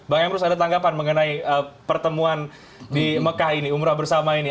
bang emrus ada tanggapan mengenai pertemuan di mekah ini umroh bersama ini